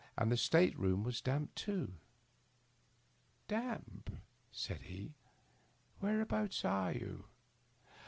And the state room was damp, too." " Damp !" said he. " Whereabouts are you